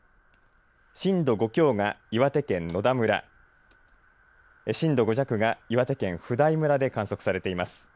震度５強が岩手県野田村震度５弱が岩手県普代村で観測されています。